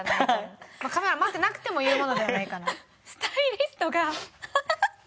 カメラ回ってなくても言うものではないかな。